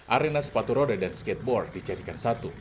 arena sepatu roda dan skateboard dijadikan satu